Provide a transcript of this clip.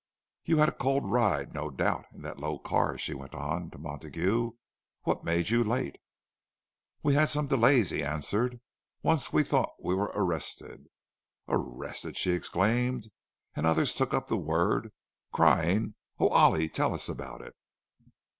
"You had a cold ride, no doubt, in that low car," she went on, to Montague. "What made you late?" "We had some delays," he answered. "Once we thought we were arrested." "Arrested!" she exclaimed; and others took up the word, crying, "Oh, Ollie! tell us about it!"